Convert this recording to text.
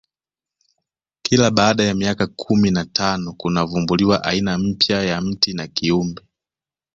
kila baada ya miaka kumi na tano kunavumbuliwa aina mpya ya mti na kiumbe